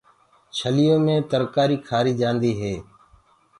ڇليو مي روٽيٚ کآريٚ جآنٚديٚ هي